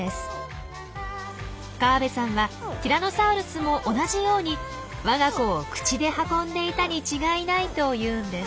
河部さんはティラノサウルスも同じようにわが子を口で運んでいたに違いないと言うんです。